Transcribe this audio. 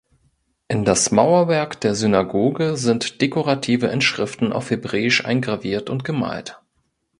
In das Mauerwerk der Synagoge sind dekorative Inschriften auf Hebräisch eingraviert und gemalt.